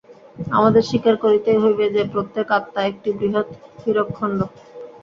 আমাদের স্বীকার করিতেই হইবে যে, প্রত্যেক আত্মা একটি বৃহৎ হীরকখণ্ড।